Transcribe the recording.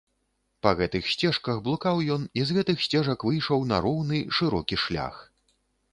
Па гэтых сцежках блукаў ён і з гэтых сцежак выйшаў на роўны, шырокі шлях.